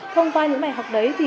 thông qua những bài học đấy